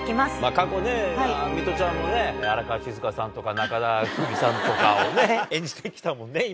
過去、水卜ちゃんもね、荒川静香さんとか、中田久美さんとかを演じてきたもんね、以前。